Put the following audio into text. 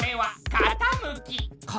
かたむき？